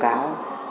các bộ ngành